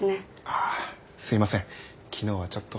あすいません昨日はちょっと。